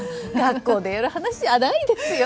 学校でやる話じゃないですよ。